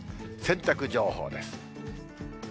洗濯情報です。